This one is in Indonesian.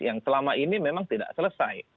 yang selama ini memang tidak selesai